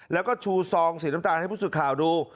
แล้วก็ชูซองสีน้ำตาลให้ผู้สื่อข่าวดู